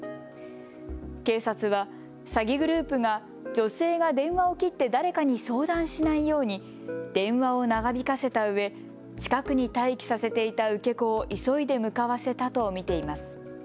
警察は、詐欺グループが女性が電話を切って誰かに相談しないように電話を長引かせたうえ、近くに待機させていた受け子を急いで向かわせたと見ています。